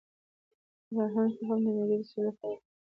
د بارهنګ تخم د معدې د سوزش لپاره وکاروئ